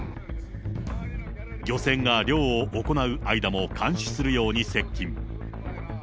漁船が漁を行う間も監視するように接近。